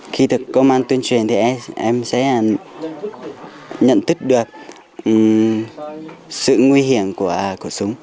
khi được công an tuyên truyền thì em sẽ nhận thức được sự nguy hiểm của súng